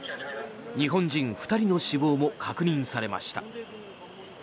日本人２人の死亡も確認されました。